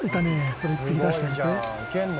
それ１匹出してあげて。